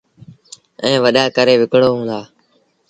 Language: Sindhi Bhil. ائيٚݩ وڏآ ڪري وڪڻون دآ۔